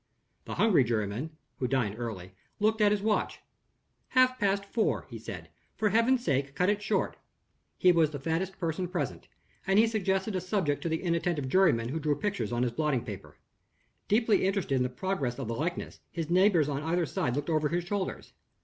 The hungry juryman (who dined early) looked at his watch. "Half past four," he said. "For Heaven's sake cut it short." He was the fattest person present; and he suggested a subject to the inattentive juryman who drew pictures on his blotting paper. Deeply interested in the progress of the likeness, his neighbors on either side looked over his shoulders.